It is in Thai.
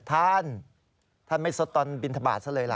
ท่านท่านไม่สดตอนบินทบาทซะเลยล่ะ